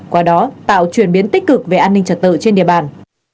qua đó tạo chuyển biến tích cực về an ninh trật tự trên địa bàn